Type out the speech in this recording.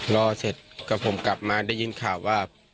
รอเสร็จกับผมกลับมาได้ยินข่าวว่า